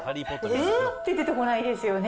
えー？出てこないですよね。